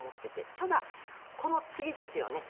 ただ、この次ですよね。